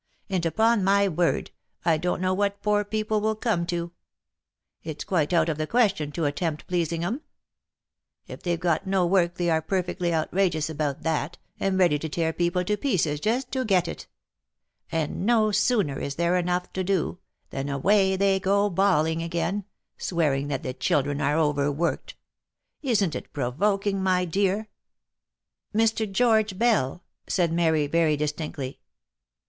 And, upon my word, I don't know what poor people will come to ! It's quite out of the question to attempt pleasing 'em. If they've got no work they are perfectly outrageous about that, and ready to tear people to pieces just to get it ; and no sooner is there enough to do, than away they go bawling again, swearing that the children are over worked ; isn't it pro* yoking my dear?" " Mr. George Bell," said Mary, very distinctly.